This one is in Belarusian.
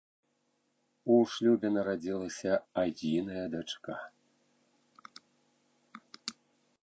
У шлюбе нарадзілася адзіная дачка.